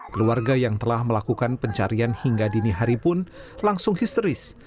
keluarga yang telah melakukan pencarian hingga dini hari pun langsung histeris